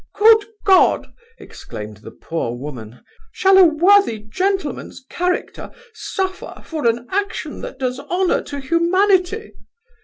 'Good God (exclaimed the poor woman) shall a worthy gentleman's character suffer for an action that does honour to humanity?